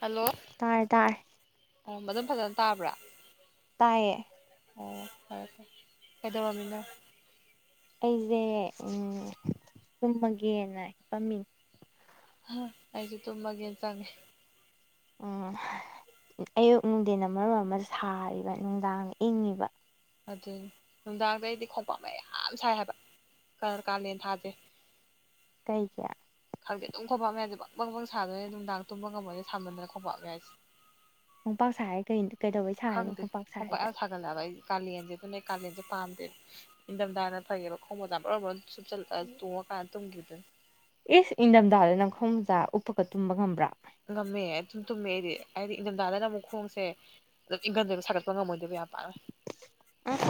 hello ꯇꯔ ꯇꯔ ꯑꯣ ꯃꯑꯗꯨꯝ ꯐꯖꯅ ꯇꯥꯕ꯭ꯔꯥ ꯇꯥꯏꯌꯦ ꯑꯣ ꯐꯩꯏ ꯐꯩꯏ ꯀꯩꯗꯔꯝꯃꯤꯅꯣ ꯕꯥꯃꯤꯟꯅ ꯑꯩꯖꯦ ꯎꯝ ꯆꯨꯝꯃꯒꯦꯅ ꯄꯝꯃꯤꯅꯦ ꯍꯥ ꯑꯩꯁꯨ ꯇꯨꯃꯒꯦ ꯆꯥꯡꯉꯦ ꯑꯥ ꯑꯌꯨꯛ ꯅꯨꯡꯊꯤꯟ ꯃꯔꯝ ꯑꯃ ꯁꯥꯔꯤꯕ ꯅꯨꯡꯗꯥꯡ ꯏꯪꯉꯤꯕ ꯑꯗꯨꯅꯤ ꯅꯨꯡꯗꯥꯡꯗꯩꯗꯤ ꯈꯣꯡꯄꯥꯛ ꯃꯌꯥꯝ ꯁꯥꯏ ꯍꯥꯏꯕ ꯈꯔ ꯀꯥꯂꯦꯟ ꯊꯥꯥꯁꯦ ꯀꯩꯒꯦ ꯈꯪꯗꯦ ꯑꯗꯨꯝ ꯈꯣꯡꯄꯥꯛꯞꯝ ꯌꯥꯁꯦ ꯄꯪ ꯄꯪ ꯄꯪ ꯁꯥꯗꯣꯏꯦ ꯅꯨꯡꯗꯥꯡ ꯇꯨꯝꯕ ꯉꯝꯕꯃꯣꯏ ꯁꯥꯝꯟꯗꯅ ꯈꯣꯡꯄꯥꯛꯞ ꯌꯥꯏꯁꯦ ꯈꯣꯡꯄꯥꯛ ꯁꯏ ꯍꯥꯏ ꯀꯩ ꯀꯩꯗꯧꯕꯩ ꯁꯥꯔꯤꯅꯣ ꯈꯣꯡꯝꯄꯥꯛ ꯁꯥ ꯍꯥꯏꯔꯤꯁꯦ [unintelligible] ꯀꯂꯦꯟꯁꯤ ꯑꯗꯨꯨꯅꯦ ꯀꯂꯦꯟꯁꯤ ꯄꯥꯟꯗꯦ ꯏꯟꯊꯝꯊꯥꯅ ꯐꯩꯌꯦꯕ ꯈꯣꯡꯃꯣꯖꯥ ꯃꯔꯣꯟ ꯃꯔꯣꯜ ꯆꯨꯞꯁꯤꯟꯂꯥ ꯇꯣꯡꯉꯀꯥꯟꯗ ꯇꯨꯝꯈꯤꯗꯨꯅ ꯑꯦ ꯏꯪꯊꯝꯊꯥꯗ ꯅꯪꯈꯣꯡ ꯃꯖꯥ ꯎꯞꯄꯀ ꯇꯨꯝꯕ ꯉꯝꯕ꯭ꯔꯥ ꯉꯝꯃꯦ ꯑꯗꯨꯨꯝ ꯇꯨꯝꯃꯦ ꯑꯩꯗꯤ ꯍꯥꯏꯗꯤ ꯏꯪꯊꯝꯊꯥꯗꯅ ꯑꯃꯨꯛ ꯈꯣꯡꯁꯦ ꯑꯗꯨꯝ ꯏꯪꯟꯗꯣꯏꯕ ꯁꯥꯒꯠꯄ ꯉꯝꯃꯣꯏꯗꯕ ꯌꯥꯝ ꯄꯅ ꯎꯝ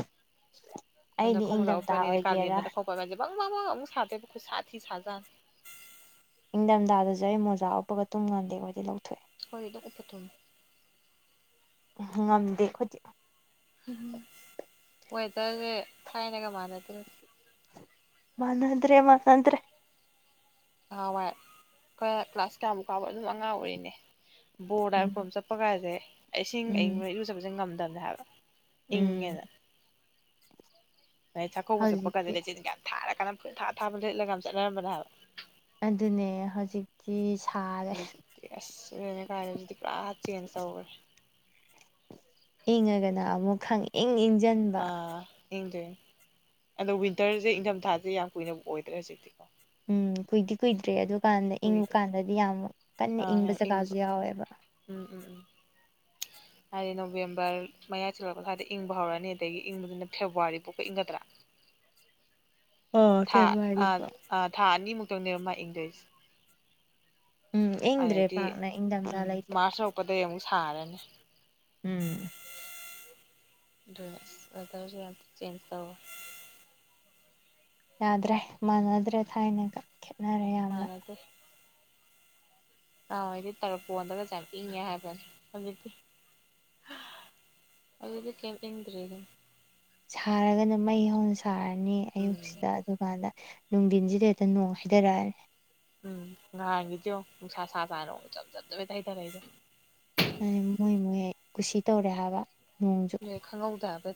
ꯍꯟꯗꯛ ꯑꯩꯗꯤ ꯈꯣꯡꯃꯣꯖꯥ ꯏꯪꯊꯝꯊꯥ ꯎꯄꯥꯅꯤꯗꯤ ꯑꯣꯏꯒꯦꯔꯥ ꯀꯂꯦꯟꯗꯅ [unintelligible] ꯑꯃꯨꯛ ꯁꯥꯗꯦꯕꯈꯣꯏ ꯈꯨꯁꯥ ꯊꯤ ꯁꯥꯖꯥꯟ ꯏꯪꯊꯝꯊꯥꯗꯁꯨ ꯑꯩ ꯃꯣꯖꯥ ꯎꯞꯄꯒ ꯇꯨꯝ ꯉꯥꯟꯗꯩꯈꯣꯏꯗꯤ ꯂꯧꯊꯣꯛꯑꯦ ꯍꯣꯏ ꯑꯗꯨꯝ ꯎꯄ ꯇꯨꯝ ꯉꯝꯗꯦ ꯑꯈꯨꯗꯤ ꯋꯦꯗꯔꯁꯦ ꯊꯥꯏꯅꯒ ꯃꯥꯟꯅꯗꯣꯏꯁꯦ ꯃꯅꯥꯗ꯭ꯔꯦ ꯃꯅꯥꯗ꯭ꯔꯦ ꯅꯥꯍꯥꯋꯥꯏ ꯈꯔ ꯀ꯭ꯂꯥꯁ ꯀꯌꯥꯃꯨꯛ ꯀꯥꯎꯕ ꯑꯗꯨꯝ ꯑꯉꯥꯡ ꯑꯣꯏꯔꯤꯅꯦ ꯕꯣꯔꯂꯥꯏꯔ ꯎꯝ ꯀ꯭ꯔꯣꯝ ꯆꯠꯄ ꯀꯥꯏꯁꯦ ꯏꯁꯤꯡ ꯎꯝ ꯑꯌꯤꯡꯕꯅ ꯑꯩꯔꯨ ꯆꯠꯄꯁꯦ ꯉꯝꯗꯕꯅꯦ ꯍꯥꯏꯕ ꯎꯝ ꯏꯪꯉꯦꯅ ꯗꯩ ꯆꯥꯛꯀꯧꯕ ꯆꯠꯄ ꯀꯥꯟꯗ ꯍꯧꯖꯤꯛꯇꯤ ꯂꯩꯆꯤꯟꯀꯥ ꯌꯥꯝ ꯊꯔꯥꯟ ꯀꯅꯥꯟ ꯄꯨꯡꯊꯥ ꯊꯥꯕ ꯂꯩꯠꯂꯒ ꯌꯥꯝ ꯆꯠꯅꯔꯝꯕꯅꯦ ꯍꯥꯏꯕ ꯑꯗꯨꯅꯦ ꯍꯧꯖꯤꯛꯇꯤ ꯁꯥꯔꯦ ꯌꯦꯁ [unintelligible] ꯄꯨꯔꯥ ꯆꯦꯟꯖ ꯇꯧꯈ꯭ꯔꯦ ꯏꯪꯉꯒꯅ ꯑꯃꯨꯛ ꯈꯪ ꯏꯪ ꯏꯪꯖꯪꯕ ꯌꯦꯡꯗꯦ ꯑꯗꯣ ꯋꯤꯟꯇꯔꯁꯦ ꯏꯪꯊꯝꯊꯥꯁꯦ ꯌꯥꯝ ꯀꯨꯏꯅꯕ ꯑꯣꯏꯗ꯭ꯔꯦ ꯍꯧꯖꯤꯛꯇꯤ ꯎꯝ ꯀꯨꯏꯗꯤ ꯀꯨꯏꯗ꯭ꯔꯦ ꯑꯗꯨ ꯀꯥꯟꯗ ꯏꯪꯕ ꯀꯨꯏꯗ꯭ꯔꯦ ꯀꯥꯟꯗꯗꯤ ꯌꯥꯝ ꯀꯟꯅ ꯑꯥ ꯏꯪꯕ ꯌꯥꯝ ꯏꯪ ꯖꯒꯥꯁꯨ ꯌꯥꯎꯋꯦꯕ ꯎꯝ ꯎꯝ ꯎꯝ ꯍꯥꯏꯗꯤ ꯅꯣꯕꯦꯝꯕꯔ ꯃꯌꯥꯏ ꯆꯤꯜꯂꯛꯄ ꯁ꯭ꯋꯥꯏꯗ ꯏꯪꯕ ꯍꯧꯔꯛꯑꯅꯤ ꯑꯗꯒꯤ ꯏꯪꯕꯗꯨꯅ ꯐꯦꯕꯋꯥꯔꯤ ꯄꯣꯛꯄ ꯏꯪꯒꯗ꯭ꯔꯥ ꯑꯣ ꯊꯥ ꯐꯦꯕꯋꯥꯔꯤꯕꯨ ꯑꯥ ꯊꯥ ꯑꯅꯤꯃꯨꯛꯇꯪꯅꯦꯕ ꯃꯥ ꯏꯡꯗꯣꯏꯁꯦ ꯎꯝ ꯏꯪꯗ꯭ꯔꯦ ꯑꯗꯩꯗꯤ ꯄꯥꯛꯅ ꯏꯪꯊꯝꯊꯥ ꯎꯝ ꯂꯩꯇ꯭ꯔꯦ ꯃꯥꯔꯁ ꯌꯔꯄꯗꯩ ꯑꯃꯨꯛ ꯁꯥꯔꯅꯤ ꯎꯝ [unintelligible] ꯌꯥꯗ꯭ꯔꯦ ꯃꯥꯟꯅꯗ꯭ꯔꯦ ꯊꯥꯏꯅꯒ ꯈꯦꯠꯅꯔꯦ ꯌꯥꯝꯅ ꯃꯥꯟꯅꯗꯦ ꯅꯍꯥꯋꯥꯏꯗꯤ ꯇ꯭ꯔꯛ ꯄꯣꯟꯗꯒꯁꯦ ꯏꯪꯉꯦ ꯍꯥꯏꯕꯟ ꯍꯧꯖꯤꯛꯇꯤ ꯑꯗꯨꯗꯤ ꯀꯩꯝ ꯏꯪꯗ꯭ꯔꯦꯅꯦ ꯁꯥꯔꯒꯅ ꯃꯩ ꯍꯧꯅ ꯁꯥꯔꯅꯤ ꯎꯝ ꯑꯌꯨꯛꯁꯤꯗ ꯑꯗꯨꯀꯥꯟꯗ ꯅꯨꯡꯊꯤꯟꯁꯤꯗ ꯍꯦꯛꯇ ꯅꯣꯡ ꯍꯥꯏꯊꯔꯛꯑ ꯎꯝ ꯉꯍꯥꯡꯒꯤꯗꯣ ꯅꯨꯡꯁꯥ ꯁꯥ ꯁꯥꯥꯅ ꯑꯃꯛ ꯆꯞ ꯆꯞ [unintelligible] ꯃꯣꯏ ꯃꯣꯏ ꯀꯨꯁꯤ ꯇꯧꯔꯦ ꯍꯥꯏꯕ ꯅꯣꯡꯁꯨ ꯑꯦ ꯈꯪꯍꯧꯗꯕ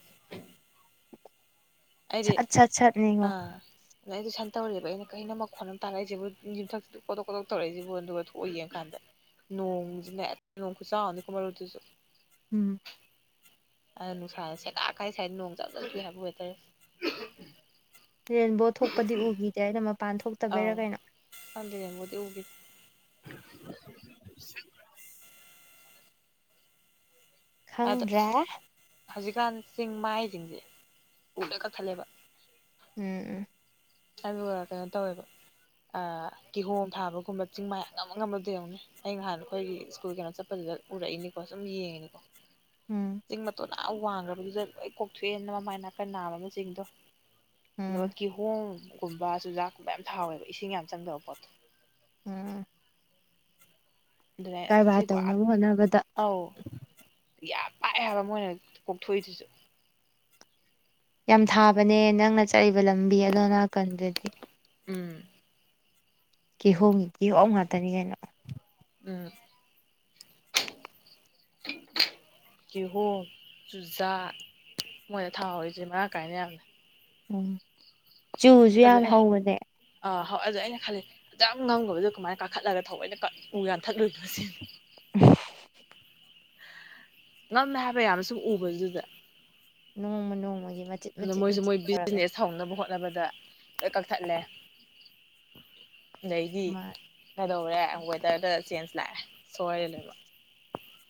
ꯁꯠ ꯁꯠ ꯁꯠ ꯅꯤꯉꯣ ꯑꯥ ꯑꯗ ꯑꯩꯗꯤ ꯁꯟ ꯇꯧꯔꯦꯕ ꯑꯩꯅ ꯀꯩꯅꯣ ꯃꯈꯣꯟ ꯑꯃ ꯇꯥꯔꯛꯏꯁꯤꯕꯨ ꯌꯊꯛꯇ ꯀꯣꯇꯣꯛ ꯀꯣꯇꯣꯛ ꯇꯧꯔꯛꯏꯁꯤꯕꯨ ꯑꯗꯨꯒ ꯊꯣꯛꯑꯏ ꯌꯦꯡꯀꯥꯟꯗ ꯅꯣꯡꯁꯤꯅ ꯍꯦꯛ ꯅꯣꯡ ꯈꯨꯆꯥꯎꯥ ꯑꯝꯅꯤꯑꯣ ꯃꯔꯨꯇꯨꯁꯨ ꯎꯝ ꯑꯗ ꯅꯨꯡꯁꯥꯗ ꯁꯦꯗꯥꯥꯛ ꯀꯥꯏ ꯁ꯭ꯋꯥꯏꯗ ꯅꯣꯡ ꯖꯥꯠ ꯖꯠ ꯆꯨꯏ ꯍꯥꯏꯕ ꯋꯦꯗꯔꯁꯤ ꯔꯦꯟꯕꯣ ꯊꯣꯛꯄꯗꯤ ꯎꯈꯤꯗꯦ ꯑꯩꯅ ꯃꯄꯥꯟ ꯊꯣꯛꯇꯕꯩꯔꯥ ꯑꯧ ꯀꯩꯅꯣ [unintelligible] ꯑꯗ ꯈꯪꯗ꯭ꯔꯦ ꯍꯧꯖꯤꯛꯀꯥꯟ ꯆꯤꯡ ꯃꯥꯏꯁꯤꯡꯁꯦ ꯎꯗ ꯀꯛꯊꯠꯂꯦꯕ ꯎꯝ ꯎꯝ ꯑꯗꯨꯒ ꯀꯩꯅꯣ ꯇꯧꯋꯦꯕ ꯑꯥ ꯀꯤꯍꯣꯝ ꯐꯥꯕꯒꯨꯝꯕ ꯆꯤꯡ ꯃꯌꯥꯝ ꯑꯃꯝ ꯉꯝꯕꯗ ꯌꯧꯅꯦ ꯑꯩ ꯅꯍꯥꯟ ꯑꯩꯈꯣꯏꯒꯤ ꯁ꯭ꯀꯨꯜ ꯀꯩꯅꯣ ꯆꯠꯄꯗꯨꯗ ꯎꯔꯛꯏꯅꯤꯀꯣ ꯁꯨꯝ ꯌꯦꯡꯉꯤꯅꯤꯀꯣ ꯎꯝ ꯎꯝ ꯆꯤꯡ ꯃꯇꯣꯟ ꯑꯥ ꯋꯥꯡꯈ꯭ꯔꯕꯗꯨꯗ ꯂꯣꯏ ꯀꯣꯛꯊꯣꯛꯑꯦꯅ ꯃꯃꯥꯏ ꯅꯥꯀꯟ ꯅꯥꯕ ꯑꯃ ꯆꯤꯡꯗꯣ ꯑꯗꯨꯒ ꯎꯝ ꯀꯤꯍꯣꯝꯒꯨꯝꯕ ꯆꯨꯖꯥꯛꯀꯨꯝꯕ ꯌꯥꯝ ꯊꯥꯎꯋꯦꯕ ꯏꯁꯤꯡ ꯌꯥꯝ ꯆꯪꯗꯕ ꯄꯣꯠꯇꯣ ꯎꯝ ꯑꯗꯨꯅ ꯀꯔꯕꯥꯔ ꯁꯤꯕꯨ ꯇꯧꯅꯕ ꯍꯣꯠꯅꯕꯗ ꯑꯧ ꯌꯥꯝ ꯄꯥꯛꯑꯦ ꯍꯥꯏꯕ ꯃꯣꯏꯅ ꯀꯣꯛꯊꯣꯛꯏꯁꯤꯁꯨ ꯌꯥꯝ ꯊꯥꯕꯅꯦ ꯅꯪꯅ ꯆꯠꯂꯤꯕ ꯂꯝꯕꯤ ꯑꯗꯣ ꯅꯥꯀꯟꯗꯗꯤ ꯎꯝ ꯀꯤꯍꯣꯝꯒꯤ ꯀꯤꯍꯣ ꯉꯥꯛꯇꯅꯤ ꯀꯩꯅꯣ ꯎꯝ ꯀꯤꯍꯣꯝ ꯆꯨꯖꯥꯛ ꯃꯣꯏꯅ ꯊꯥꯍꯧꯔꯤꯁꯦ ꯃꯔꯥꯡ ꯀꯥꯏꯅ ꯌꯥꯝꯅ ꯎꯝ ꯆꯨꯁꯨ ꯑꯗꯨ ꯌꯥꯝ ꯑꯦ ꯍꯧꯕꯅꯦ ꯑꯥ ꯍꯣꯏ ꯑꯗꯨꯗ ꯑꯩꯅ ꯈꯜꯂꯤ ꯌꯥꯝꯖ ꯉꯪꯕꯗꯣ ꯀꯃꯥꯏꯅ ꯀꯥꯈꯠꯂꯒ ꯊꯑꯣꯏꯅ ꯀ ꯎ ꯌꯥꯟꯊꯠꯂꯣꯏꯅꯣ ꯁꯤꯅꯤ [inaudible] ꯉꯝꯃꯦ ꯍꯥꯏꯕ ꯌꯥꯝꯅꯁꯨ ꯎꯕ ꯑꯗꯨꯗ ꯅꯣꯡꯃ ꯅꯣꯡꯃꯒꯤ ꯃꯆꯤꯠ ꯑꯗꯨ ꯃꯆꯤꯠ ꯃꯣꯏꯁꯨ ꯃꯆꯤꯠ ꯃꯣꯏ ꯇꯧꯔꯒꯅꯤ ꯕꯤꯖꯤꯅꯦꯁ ꯍꯧꯅꯕ ꯍꯣꯠꯅꯕꯗ ꯂꯣꯏ ꯀꯛꯊꯠꯂꯦ ꯑꯩꯗꯤ ꯃꯥ ꯀꯩꯗꯧꯔꯦ ꯋꯦꯗꯔꯗ ꯆꯦꯟꯖ ꯂꯥꯛꯑꯦ ꯁꯣꯏꯔꯦ ꯂꯩꯕ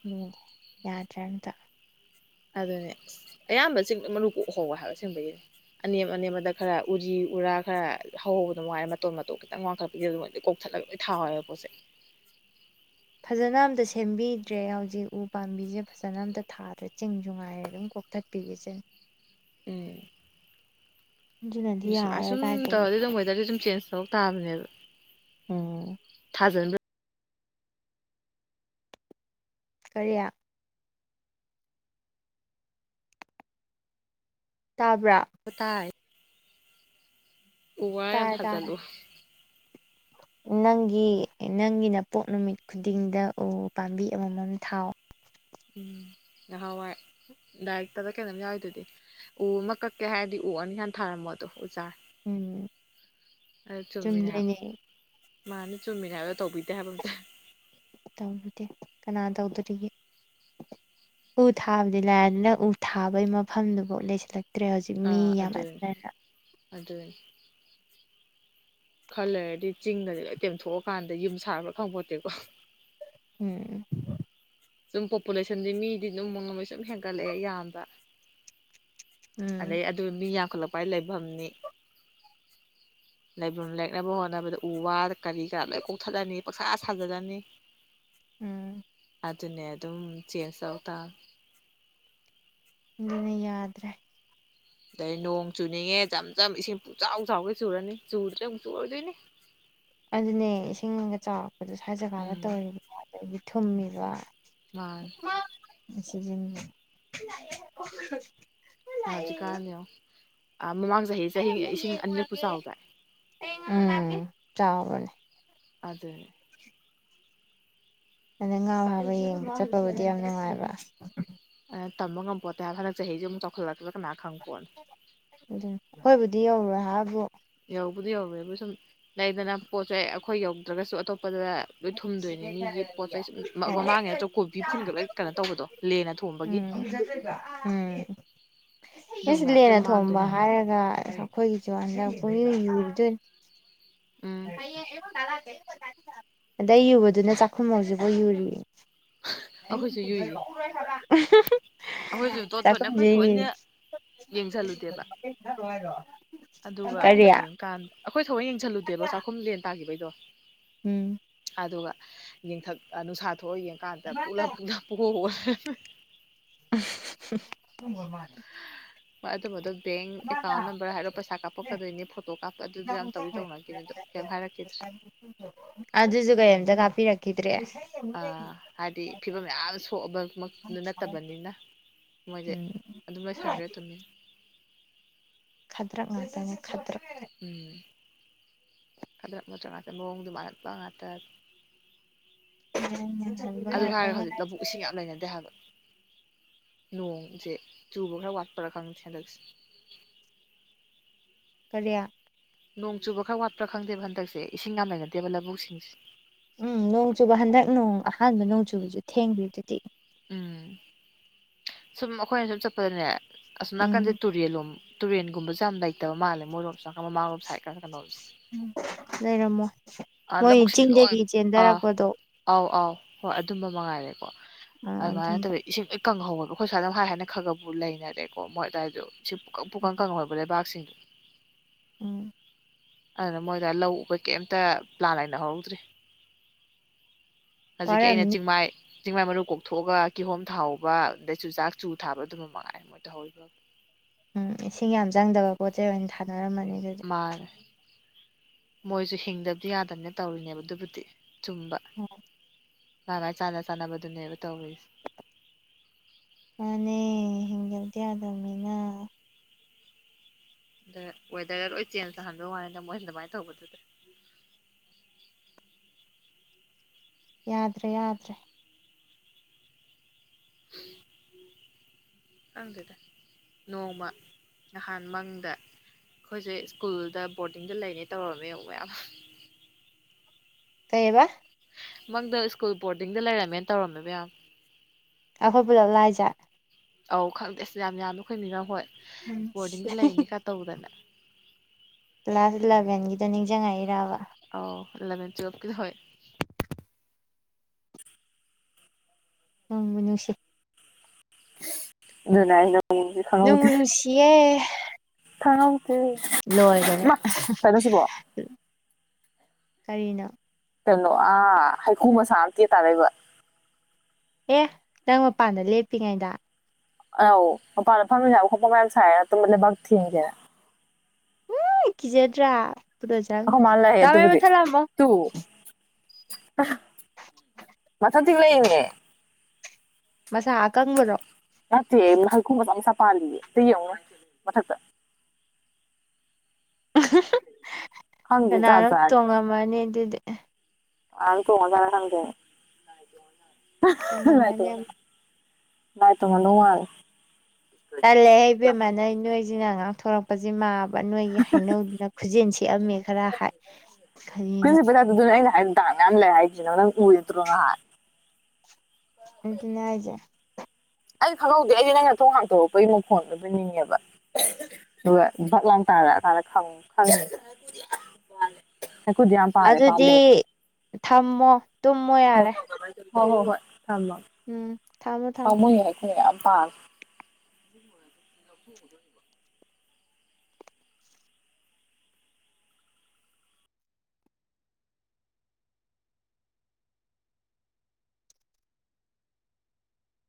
ꯎꯝ ꯌꯥꯗ꯭ꯔꯦ ꯑꯝꯇ ꯑꯗꯨꯅꯦ ꯑꯌꯥꯝꯕꯁꯤꯡ ꯃꯔꯨ ꯀꯣꯛꯍꯧꯕ ꯍꯥꯏꯕ ꯑꯁꯦꯡꯕꯩꯅꯤ ꯑꯅꯦꯝ ꯑꯅꯦꯝꯕꯗ ꯈꯔ ꯎꯔꯤ ꯎꯔꯥ ꯈꯔ ꯍꯍꯧꯕꯗꯨ ꯉꯥꯏꯔꯦ ꯃꯇꯣꯠ ꯃꯇꯣꯠ ꯈꯤꯇꯪ ꯋꯥꯡꯈꯠꯄ ꯂꯣꯏꯒꯩ ꯀꯣꯛꯊꯠꯂꯒ ꯂꯣꯏ ꯊꯥꯎꯋꯕ ꯄꯣꯠ ꯆꯩꯩ ꯐꯖꯅ ꯑꯝꯇ ꯁꯦꯝꯕꯤꯗ꯭ꯔꯦ ꯍꯧꯖꯤꯛ ꯎ ꯄꯥꯝꯕꯤꯁꯦ ꯐꯖꯅ ꯑꯝꯇ ꯊꯥꯗ꯭ꯔꯦ ꯆꯤꯡꯁꯨ ꯉꯥꯏꯔꯦ ꯑꯗꯨꯝ ꯀꯣꯛ ꯊꯠꯄꯤꯒꯦ ꯎꯝ ꯑꯗꯨꯅꯗꯤ ꯁꯨꯝ ꯌꯥꯔꯔꯣꯏ ꯑꯁꯨꯝ ꯀꯥꯏꯗꯒꯤ ꯇꯧꯔꯗꯤ ꯑꯗꯨꯝ ꯋꯦꯗꯔꯗꯤ ꯁꯨꯝ ꯆꯦꯟꯖ ꯊꯧꯔꯛ ꯇꯥꯕꯅꯦꯕ ꯎꯝ ꯊꯥꯖꯟꯕ ꯀꯔꯤꯌꯥ ꯇꯥꯕ꯭ꯔꯥ ꯇꯥꯏ ꯎꯋꯥꯥ ꯌꯥꯝ ꯇꯥꯔꯦ ꯇꯥꯔꯦ ꯊꯥꯖꯜꯂꯨ ꯅꯪꯒꯤ ꯅꯪꯒꯤ ꯅꯄꯣꯛ ꯅꯨꯃꯤꯠ ꯈꯨꯗꯤꯡꯗ ꯎ ꯄꯥꯝꯕꯤ ꯑꯃꯃꯝ ꯊꯥꯎ ꯎꯝ ꯅꯍꯥꯟꯋꯥꯏ ꯂꯥꯏꯔꯛꯇꯕ ꯀꯩꯅꯣꯝ ꯌꯥꯎꯔꯤ ꯑꯗꯨꯗꯤ ꯎ ꯑꯃ ꯀꯛꯀꯦ ꯍꯥꯏꯔꯗꯤ ꯎ ꯑꯅꯤ ꯍꯥꯟꯅ ꯊꯥꯔꯝꯃꯣꯗꯣ ꯎ ꯆꯥꯔ ꯎꯝ ꯑ ꯆꯨꯝꯃꯤꯅꯦ ꯍꯥꯏꯕ ꯆꯨꯝꯗꯣꯏꯅꯦ ꯃꯥꯅꯤ ꯆꯨꯝꯃꯤꯅꯦ ꯍꯥꯏꯕ ꯇꯧꯕꯤꯗꯦ ꯍꯥꯏꯕ ꯑꯝꯇ ꯇꯧꯔꯨꯗꯦ ꯀꯅꯥ ꯇꯧꯗꯣꯔꯤꯒꯦ ꯎ ꯊꯥꯕꯗꯤ ꯂꯥꯏꯗꯅ ꯎ ꯊꯥꯕꯒꯤ ꯃꯐꯝꯗꯨꯐꯥꯎ ꯂꯩꯁꯤꯜꯂꯛ ꯑꯥ ꯑꯗꯨꯅꯤ ꯑꯗꯨꯅꯤ ꯈꯔꯂꯩꯔꯗꯤ ꯆꯤꯡꯒꯁꯦ ꯂꯣꯏ ꯇꯦꯝꯊꯣꯛꯑꯀꯥꯟꯗ ꯌꯨꯝ ꯁꯥꯕ꯭ꯔꯥ ꯈꯪꯄꯣꯠꯇꯦꯀꯣ ꯎꯝ ꯁꯨꯝ ꯄꯣꯄꯨꯂꯦꯁꯟꯗꯤ ꯃꯤꯗꯤ ꯑꯗꯨꯝ ꯅꯣꯡꯃꯩ ꯁꯨꯝ ꯍꯦꯟꯒꯠꯂꯛꯑꯦ ꯌꯥꯝꯕ ꯎꯝ ꯑꯗꯩ ꯑꯗꯨ ꯃꯤ ꯌꯥꯝꯈꯠꯂꯛꯄ ꯍꯥꯏꯕ ꯂꯩꯐꯝꯅꯤ ꯂꯩꯕꯝ ꯂꯩꯔꯛꯅꯕ ꯍꯣꯠꯅꯕꯗ ꯎ ꯋꯥ ꯀꯔꯤ ꯀꯔꯥ ꯂꯣꯏ ꯀꯣꯛꯊꯠꯂꯅꯤ ꯄꯪꯁꯥ ꯁꯥꯖꯟꯔꯅꯤ ꯎꯝ ꯑꯗꯨꯅꯦ ꯑꯗꯨꯝ ꯆꯦꯟꯖ ꯇꯧ ꯇꯕꯅꯦ ꯑꯗꯨꯅ ꯌꯥꯗ꯭ꯔꯦ ꯑꯗꯩ ꯅꯣꯡ ꯆꯨꯅꯤꯡꯉꯦ ꯖꯝ ꯖꯝ ꯏꯁꯤꯡ ꯄꯨꯆꯥꯎ ꯆꯥꯎꯒ ꯆꯨꯔꯅꯤ ꯆꯨꯗꯤ ꯑꯃꯨꯛ ꯆꯨꯔꯗꯣꯏꯅꯤ ꯑꯗꯨꯅꯦ ꯏꯁꯤꯡꯒ ꯆꯥꯎꯔꯛꯄꯗꯣ ꯁ꯭ꯋꯥꯏ ꯖꯒꯥꯗ ꯎꯝ ꯇꯧꯔꯤꯕꯅꯦ ꯑꯗꯩꯗꯤ ꯊꯨꯝꯃꯤꯕ ꯃꯥ ꯉꯁꯤꯖꯅꯤꯡꯕ ꯍꯖꯤ ꯀꯥꯅꯌꯦꯉꯣ ꯃꯃꯥꯡ ꯆꯍꯤꯁꯦ ꯎꯝ ꯆꯥꯎꯕꯅꯦ ꯑꯗꯨꯅꯦ ꯑꯗ ꯉꯥꯎ ꯍꯥꯏꯕ ꯌꯦꯡꯕ ꯆꯠꯄꯕꯨꯗꯤ ꯌꯥꯝ ꯅꯨꯡꯉꯥꯏꯕ ꯇꯝꯕ ꯉꯝꯄꯣꯠꯇ ꯍꯥꯏꯕ ꯍꯟꯛ ꯆꯍꯤꯁꯤꯁꯨ ꯑꯃꯨꯛ ꯆꯥꯎꯈꯠꯂꯛꯗ ꯀꯅꯥ ꯈꯪꯕ ꯄꯣꯠꯅꯤ ꯑꯗꯨ ꯍꯣꯏꯕꯨꯗꯤ ꯌꯧꯔꯣꯏ ꯍꯥꯏꯕꯨ ꯌꯧꯕꯨꯗꯤ ꯌꯧꯋꯦꯕꯨ ꯁꯨꯝ ꯂꯩꯗꯅ ꯄꯣꯠ ꯆꯩꯦ ꯑꯩꯈꯣꯏ ꯌꯧꯗ꯭ꯔꯒꯁꯨ ꯑꯇꯣꯞꯄꯗꯅꯦ ꯂꯣꯏ ꯊꯨꯝꯗꯣꯏꯅꯤ ꯃꯤꯒꯤ ꯄꯣꯠ ꯆꯩ ꯁꯒ ꯍꯣꯏ ꯃꯥꯡꯉꯦ ꯅꯠꯇ꯭ꯔꯣ ꯀꯣꯕꯤ ꯐꯨꯟꯒ ꯂꯣꯏ ꯀꯩꯅꯣ ꯇꯧꯕꯗꯣ ꯂꯦꯅ ꯊꯣꯡꯕꯒꯤ ꯎꯝ ꯑꯩꯁ ꯑꯗꯨꯅ ꯂꯣꯏ ꯂꯦꯅ ꯊꯣꯡꯕ ꯃꯥꯡꯗꯣꯏꯅꯦ ꯍꯥꯏꯕ ꯍꯥꯏꯔꯒ ꯑꯩꯈꯣꯏꯒꯤ ꯆꯨꯔꯥꯟꯗ ꯄꯨꯛꯅꯤꯡ ꯌꯨꯔꯤꯗꯣꯏꯅꯤ ꯎꯝ ꯑꯗꯩ ꯌꯨꯕꯗꯨꯅ ꯆꯥꯛꯈꯨꯝ ꯍꯧꯖꯤꯛꯐꯧ ꯌꯨꯔꯤꯌꯦ ꯑꯩꯈꯣꯏꯁꯨ ꯌꯨꯏꯌꯦ ꯑꯩꯈꯣꯏꯁꯨ ꯗꯣꯠ ꯗꯣꯠꯅꯦ ꯑꯩꯈꯣꯏ ꯆꯥꯈꯨꯝꯖꯦ ꯊꯑꯣꯏꯅ ꯌꯦꯡꯁꯜꯂꯨꯗꯦꯕ ꯀꯔꯤ ꯀꯥꯟ ꯑꯩꯈꯣꯏ ꯊꯑꯣꯏ ꯌꯦꯡꯁꯤꯜꯂꯨꯗꯦꯕ ꯆꯥꯛꯈꯨꯝ ꯂꯦꯟ ꯇꯥꯈꯤꯕꯩꯗꯣ ꯎꯝ ꯑꯗꯨꯒ ꯌꯦꯡꯊꯛ ꯅꯨꯡꯁꯥ ꯊꯣꯛꯑ ꯌꯦꯡꯀꯥꯟꯗ ꯄꯨꯛꯂꯞ ꯄꯨꯡꯍꯣ ꯍꯣ ꯂꯩꯔꯝꯃꯦ [inaudible] [unintelligible] ꯕꯦꯡ ꯑꯦꯀꯥꯎꯟ ꯅꯝꯕꯔ ꯍꯥꯏꯔꯣ ꯄꯩꯁꯥ ꯀꯥꯞꯄꯛꯀꯗꯣꯏꯅꯤ ꯐꯣꯇꯣ ꯀꯥꯞꯄ ꯑꯗꯨꯗ ꯌꯥꯝ ꯇꯧꯗꯤ ꯇꯧꯅꯈꯤ ꯑꯗꯣ ꯀꯩꯝ ꯍꯥꯏꯔꯛꯈꯤꯗ꯭ꯔꯦ ꯑꯗꯨꯁꯨ ꯀꯔꯤꯝꯇ ꯀꯥꯞꯄꯤꯔꯛꯈꯤꯗ꯭ꯔꯦ ꯑꯥ ꯍꯥꯏꯗꯤ ꯐꯤꯕꯝ ꯌꯥꯝ ꯁꯣꯛꯑꯕꯗꯨ ꯅꯠꯇꯕꯅꯤꯅ ꯃꯣꯏꯁꯦ ꯎꯝ ꯑꯗꯨꯝ ꯂꯩꯁꯟꯈ꯭ꯔꯦ ꯇꯨꯃꯤ ꯈꯥꯗ꯭ꯔꯛ ꯉꯥꯛꯇꯦ ꯈꯗ꯭ꯔꯛ ꯎꯝ ꯈꯗ꯭ꯔꯛ ꯃꯗꯛ ꯉꯥꯛꯇ ꯃꯑꯣꯡꯗꯣ ꯃꯥꯜꯍꯕ ꯉꯥꯛꯇ ꯍꯟꯕ ꯑꯗꯨ ꯍꯥꯏꯔꯒ ꯉꯥꯛꯇ ꯍꯧꯖꯤꯛ ꯂꯧꯕꯨꯛ ꯏꯁꯤꯡ ꯌꯥꯝ ꯂꯩꯅꯗꯦ ꯍꯥꯏꯕ ꯅꯣꯡꯁꯦ ꯆꯨꯕ ꯈꯔ ꯋꯥꯠꯄꯔꯥ ꯈꯪꯗ ꯁꯦꯟꯗꯛꯁꯦ ꯀꯔꯤ ꯅꯣꯡ ꯆꯨꯕ ꯈꯔ ꯋꯥꯠꯄ꯭ꯔꯥ ꯈꯪꯗꯦꯕ ꯍꯟꯗꯛꯁꯦ ꯏꯁꯤꯡ ꯌꯥꯝꯅꯅꯗꯦꯕ ꯂꯧꯕꯨꯛ ꯁꯤꯡꯁꯦ ꯎꯝ ꯅꯣꯡ ꯆꯨꯕ ꯍꯟꯗꯛ ꯅꯣꯡ ꯑꯍꯥꯟꯕ ꯅꯣꯡ ꯆꯨꯕꯁꯨ ꯊꯦꯡꯕꯤ ꯗꯨꯗꯤ ꯎꯝ ꯁꯨꯝ ꯑꯩꯈꯣꯏꯅ ꯁꯨꯝ ꯆꯠꯄꯗꯅꯦ ꯑꯁꯨꯝ ꯅꯥꯀꯟꯗ ꯎꯝ ꯇꯨꯔꯦꯜꯂꯣꯝ ꯇꯨꯔꯦꯟꯨꯝꯕꯁꯨ ꯌꯥꯝ ꯂꯩꯇꯕ ꯃꯥꯜꯂꯦ ꯃꯣꯏꯔꯣꯝꯁꯨ ꯃꯃꯥꯔꯣꯝ ꯁꯥꯏꯠ ꯈꯔ ꯀꯩꯅꯣꯝꯁꯦ ꯎꯝ ꯂꯩꯔꯝꯃꯣ ꯑꯥ ꯃꯣꯏ ꯆꯤꯡꯗꯒꯤ ꯆꯦꯟꯊꯔꯛꯄꯗꯣ ꯑꯧ ꯑꯥꯎ ꯍꯣꯏ ꯑꯗꯨꯝꯕ ꯃꯉꯥꯏꯔꯦꯀꯣ ꯑꯥ ꯑꯗꯨꯃꯥꯏꯅ ꯑꯗꯨꯝꯕ ꯇꯧꯋꯤ ꯏꯁꯤꯡ ꯀꯪꯍꯧꯋꯦꯕ ꯑꯩꯈꯣꯏ ꯁ꯭ꯋꯥꯗ ꯍꯥꯏ ꯍꯥꯏꯅ ꯈ ꯈꯕꯨ ꯂꯩꯅꯔꯦꯀꯣ ꯃꯣꯏ ꯑꯗꯨꯋꯥꯏꯗꯣ ꯁꯤ ꯄꯨꯀꯪ ꯄꯨꯀꯪ ꯀꯪꯍꯧꯋꯦꯕ ꯂꯩꯕꯥꯛꯁꯤꯡꯗꯣ ꯎꯝ ꯑꯗꯨꯅ ꯃꯣꯏꯗ ꯂꯧ ꯎꯕ ꯀꯩꯝꯇ ꯄ꯭ꯂꯥꯟ ꯂꯩꯅꯍꯧꯔꯧꯗ꯭ꯔꯤ ꯍꯧꯖꯤꯛꯀꯤ ꯑꯩꯅ ꯋꯥꯔꯝꯅꯤ ꯆꯤꯡꯃꯥꯏ ꯆꯤꯡꯃꯥꯏ ꯃꯔꯨ ꯀꯣꯛ ꯊꯣꯛꯑꯒ ꯀꯤꯍꯣꯝ ꯊꯥꯍꯧꯕ ꯑꯗꯩ ꯆꯨꯖꯥꯛ ꯆꯨ ꯊꯥꯕ ꯑꯗꯨꯝꯕ ꯃꯉꯥꯏ ꯑꯃ ꯃꯣꯏ ꯇꯧꯍꯧꯔꯤꯕꯥꯕꯨ ꯎꯨꯝ ꯏꯁꯤꯡ ꯌꯥꯝ ꯆꯪꯗꯕ ꯄꯣꯠ ꯆꯩꯩ ꯑꯣꯏꯅ ꯊꯥꯅꯔꯝꯃꯅꯤ ꯑꯗꯨ ꯊꯥꯔꯦ ꯃꯣꯏꯁꯨ ꯍꯤꯡꯗꯕꯗꯤ ꯌꯥꯗꯕꯅꯤꯅ ꯇꯧꯔꯤꯅꯦꯕ ꯑꯗꯨꯕꯨꯗꯤ ꯆꯨꯝꯕ ꯑꯣ ꯃꯥ ꯃꯥꯏ ꯆꯥꯟꯅ ꯆꯥꯟꯅꯕꯗꯨꯅꯦꯕ ꯇꯧꯔꯤꯁꯦ ꯃꯥꯅꯦ ꯍꯤꯡꯗꯕꯗꯤ ꯌꯥꯗꯕꯅꯤꯅ ꯑꯗ ꯋꯦꯗꯔꯒ ꯂꯣꯏ ꯆꯦꯟꯖ ꯇꯥꯍꯟꯕꯧ ꯋꯥꯅꯤꯗ ꯃꯣꯏꯅ ꯑꯗꯨꯃꯥꯏꯅ ꯇꯧꯕꯗꯨꯗ ꯌꯥꯗ꯭ꯔꯦ ꯌꯥꯗ꯭ꯔꯦ [unintelligible] ꯅꯣꯡꯃ ꯅꯍꯥꯟ ꯃꯪꯗ ꯑꯩꯈꯣꯏꯁꯦ ꯁ꯭ꯀꯨꯜꯗ ꯕꯣꯔꯗꯤꯡꯗ ꯂꯩꯅꯦ ꯇꯧꯔꯝꯃꯦ ꯃꯌꯥꯝ ꯀꯩꯏꯕ ꯃꯪꯗ ꯁ꯭ꯀꯨꯜ ꯕꯣꯔꯗꯤꯡꯗ ꯂꯩꯔꯝꯃꯦꯅ ꯇꯧꯔꯝꯃꯦ ꯃꯌꯥꯝ ꯑꯩꯈꯣꯏ ꯄꯨꯂꯞꯂꯥ ꯍꯥꯏꯖꯦ ꯑꯧ ꯈꯪꯗꯦ ꯑꯁ ꯌꯥꯝ ꯌꯥꯝꯅꯈꯣꯏ ꯃꯤꯔꯝ ꯍꯣꯏ ꯕꯣꯔꯗꯤꯡꯗ ꯂꯩꯅꯤꯀ ꯇꯧꯗꯅ ꯀ꯭ꯂꯥꯁ ꯏꯂꯚꯦꯟꯒꯤꯗ ꯅꯤꯡꯁꯤꯡꯉꯛꯏꯔꯕ ꯑꯣ ꯏꯂꯚꯦꯟ ꯇꯨꯋꯚꯀꯤꯗꯣ ꯍꯣꯏ ꯅꯨꯡꯕꯨ ꯅꯨꯡꯁꯤ ꯑꯗꯨ ꯅꯥꯏꯅ ꯅꯣꯡꯕꯨ ꯅꯨꯡꯁꯤꯌꯦ ꯊꯥꯉꯧ ꯎꯨꯝ ꯂꯣꯏꯒꯔꯦ ꯀꯔꯤꯅꯣ ꯀꯩꯅꯣ ꯑꯥ ꯍꯩꯀꯨ ꯃꯁꯆꯥ ꯑꯝ ꯇꯦꯛꯑ ꯇꯥꯔꯛꯏꯕ ꯑꯦ ꯅꯪ ꯃꯄꯥꯟꯗ ꯂꯦꯞꯄꯤꯉꯩꯗ ꯑꯧ ꯃꯄꯥꯟꯗ [unintelligible] ꯂꯩꯕꯛ ꯊꯦꯡꯗꯦ ꯎꯨ ꯀꯤꯖꯗ꯭ꯔꯥ ꯑꯩꯈꯣꯏ [unintelligible] ꯃꯥꯅ ꯂꯩꯔꯦ ꯗꯥ ꯃꯩ ꯑꯗꯨꯕꯨꯗꯤ ꯃꯨꯊꯠꯂꯝꯃꯨ ꯇꯨ ꯃꯊꯟ ꯇꯦꯛꯂꯛꯏꯅꯦ ꯃꯁꯥ ꯑꯀꯪꯕꯔꯣ ꯅꯠꯇꯦ ꯍꯩꯀꯨ ꯃꯆꯥ ꯃꯆꯥ ꯄꯥꯜꯂꯤꯌꯦ ꯑꯝꯇ ꯌꯦꯡꯉꯨꯅꯦ ꯃꯊꯛꯇ ꯑꯍꯥ ꯍꯥ ꯈꯪꯗꯦ ꯖꯥꯠ ꯀꯅꯥꯅꯣꯝ ꯖꯥꯠꯅꯤ ꯇꯣꯡꯉꯝꯃꯅꯤ ꯑꯗꯨꯗꯤ [unintelligible] ꯇꯣꯡꯉꯝꯃꯅꯤ ꯑꯃ ꯂꯥꯏ ꯇꯣꯡꯉꯝꯗꯣ ꯃꯥꯜꯂꯤ ꯇꯜꯂꯦ ꯑꯩ ꯏꯕꯦꯝꯃ ꯅꯩ ꯅꯣꯏꯖꯤꯅ ꯉꯥꯛꯊꯣꯔꯛꯄꯖꯤꯃꯥꯞ ꯄꯥ ꯅꯣꯏꯒꯤ ꯍꯧꯅꯧꯗꯨꯅ ꯈꯨꯖꯦꯟ ꯁꯤꯛꯑꯝꯃꯦ ꯈꯔ ꯍꯥꯏ ꯀꯔꯤꯅꯣ ꯑꯗꯨꯅꯦ ꯑꯩꯅ ꯍꯥꯏꯔꯤꯝ ꯗꯥꯛ ꯃꯌꯥꯝ ꯂꯩ ꯍꯥꯏꯖꯦ ꯅꯪ ꯎꯔꯤꯝꯇ꯭ꯔꯣ ꯉꯍꯥꯟ ꯑꯗꯨꯅꯦ ꯍꯥꯏꯖꯦ ꯑꯩ ꯈꯪꯍꯧꯗꯦ ꯑꯩꯗꯤ ꯅꯪꯅ ꯊꯣꯡ ꯍꯥꯡꯇꯣꯔꯛꯄꯩ ꯃꯈꯣꯡ ꯑꯣꯔꯕꯣꯏ ꯅꯤꯡꯉꯦꯕ ꯑꯗꯨꯒ ꯚꯛ ꯂꯥꯡ ꯇꯥꯔꯑ ꯀꯥꯟꯗ ꯈꯪ ꯈꯪꯗꯤ [unintelligible] ꯍꯩꯀꯨꯗꯤ ꯌꯥꯝ ꯄꯥꯔꯦ ꯑꯗꯨꯗꯤ ꯄꯥꯝꯃꯣꯏ ꯊꯝꯃꯣ ꯇꯨꯝꯃꯣ ꯌꯥꯔꯦ ꯍꯣ ꯍꯣ ꯍꯣꯏ ꯊꯝꯃꯣ ꯎꯝ ꯊꯝꯃꯣ ꯊꯝ [unintelligible]